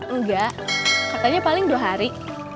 enggak katanya paling dua hari